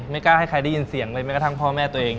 ไม่กล้าให้ใครได้ยินเสียงเลยแม้กระทั่งพ่อแม่ตัวเอง